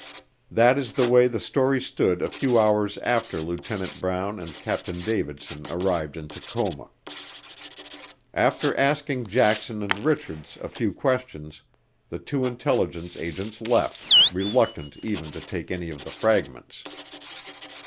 That is the way the story stood a few hours after Lieutenant Brown and Captain Davidson arrived in Tacoma. After asking Jackson and Richards a few questions, the two intelligence agents left, reluctant even to take any of the fragments.